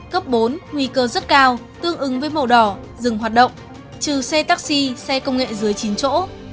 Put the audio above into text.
cấp bốn nguy cơ rất cao tương ứng với màu đỏ dừng hoạt động trừ xe taxi xe công nghệ dưới chín chỗ